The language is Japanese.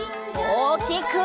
おおきく！